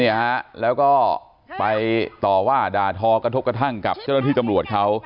ฮะแล้วก็ไปต่อว่าด่าทอกระทบกระทั่งกับเจ้าหน้าที่ตำรวจเขา